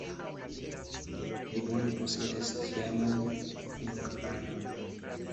Li bone posedas tiaman lingvaĵon.